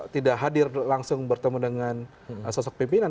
tidak hadir langsung bertemu dengan sosok pimpinan